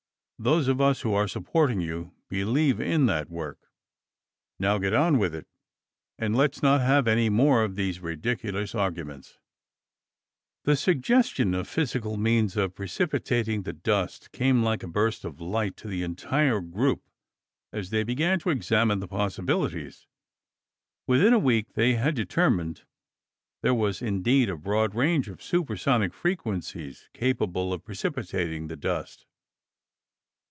Those of us who are supporting you believe in that work. Now get on with it, and let's not have any more of these ridiculous arguments!" The suggestion of physical means of precipitating the dust came like a burst of light to the entire group as they began to examine the possibilities. Within a week, they had determined there was indeed a broad range of supersonic frequencies capable of precipitating the dust.